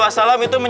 mulia selamat pagi